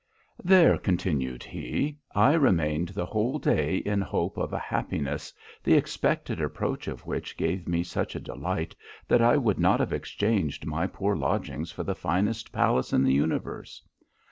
_ "There," continued he, "I remained the whole day in hopes of a happiness, the expected approach of which gave me such a delight that I would not have exchanged my poor lodgings for the finest palace in the universe.